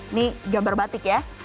ini gambar batik ya